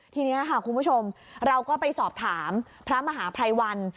ทีนี้ค่ะคุณผู้ชมเราก็ไปสอบถามพระมหาภัยวัน